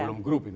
belum grup itu